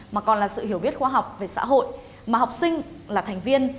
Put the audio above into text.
mà còn là sự hiểu biết khoa học về xã hội mà học sinh là thành viên